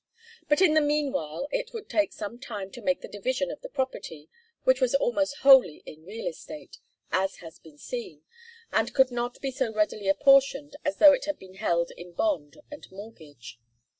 But in the meanwhile it would take some time to make the division of the property, which was almost wholly in real estate, as has been seen, and could not be so readily apportioned as though it had been held in bond and mortgage.